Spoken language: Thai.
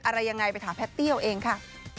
อะไรยังไงถามแได้ไว้เอาเองค่ะ